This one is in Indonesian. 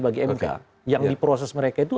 bagi mk yang diproses mereka itu